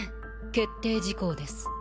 決定事項です。